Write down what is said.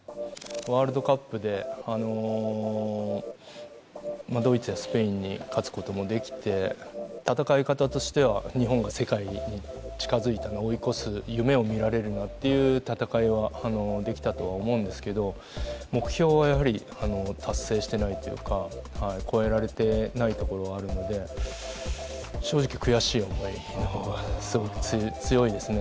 ワールドカップであのドイツやスペインに勝つ事もできて戦い方としては日本が世界に近付いたな追い越す夢を見られるなっていう戦いはできたとは思うんですけど目標はやはり達成してないというか越えられてないところはあるので正直悔しい思いの方がすごく強いですね。